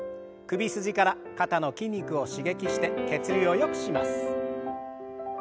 首筋から肩の筋肉を刺激して血流をよくします。